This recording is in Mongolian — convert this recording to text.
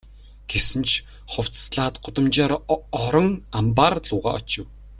Гэсэн ч хувцаслаад гудамжаар орон амбаар луугаа очив.